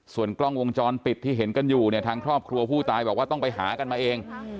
ส่วนกล้องวงจรปิดที่เห็นกันอยู่เนี่ยทางครอบครัวผู้ตายบอกว่าต้องไปหากันมาเอง